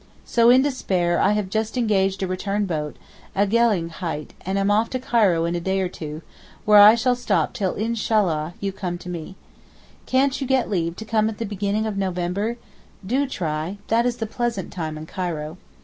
So in despair I have just engaged a return boat—a Gelegenheit—and am off to Cairo in a day or two, where I shall stop till Inshallah! you come to me. Can't you get leave to come at the beginning of November? Do try, that is the pleasant time in Cairo.